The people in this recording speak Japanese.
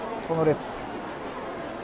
その列。